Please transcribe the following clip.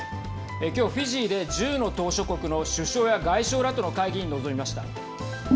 きょうフィジーで１０の島しょ国の首相や外相らとの会議に臨みました。